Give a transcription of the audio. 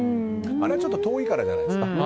あれはちょっと遠いからじゃないですか。